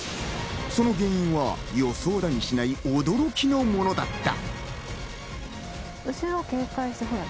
その原因は予想だにしない驚きのものだった。